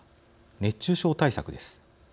熱中症対策です。